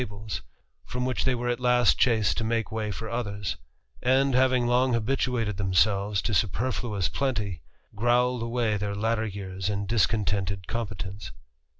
203 ibles, from which they were at last chased to make way for :hers; and, having long habituated themselves to super nous plenty, growled away their latter years in discontented >inpetence.